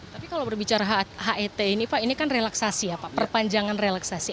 tapi kalau berbicara het ini pak ini kan relaksasi ya pak perpanjangan relaksasi